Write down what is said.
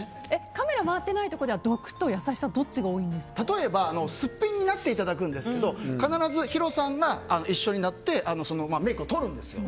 カメラが回ってないところでは毒と優しさ例えばすっぴんになっていただくんですけど必ずヒロさんが一緒になってメイクをとるんですよ。